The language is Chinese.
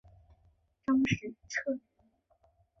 张时彻人。